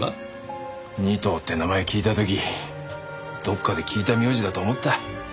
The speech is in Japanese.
仁藤って名前聞いた時どっかで聞いた名字だと思った。